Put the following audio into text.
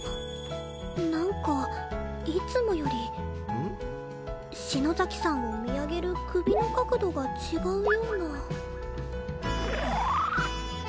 なんかいつもより篠崎さんを見上げる首の角度が違うような